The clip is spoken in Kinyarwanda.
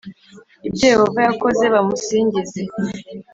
Ibyo Yehova yakoze Bamusingize